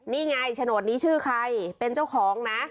นี่ไงโฉนดนี้ชื่อใครเป็นเจ้าของนะ